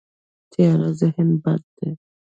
تیاره ذهن بد دی.